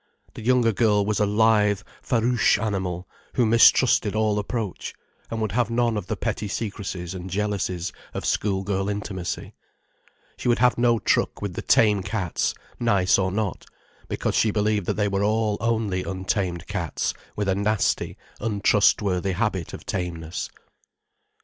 The younger girl was a lithe, farouche animal, who mistrusted all approach, and would have none of the petty secrecies and jealousies of schoolgirl intimacy. She would have no truck with the tame cats, nice or not, because she believed that they were all only untamed cats with a nasty, untrustworthy habit of tameness.